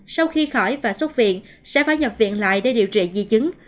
sau khi khỏi và xuất viện sẽ phải nhập viện lại để điều trị di chứng